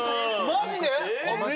マジで。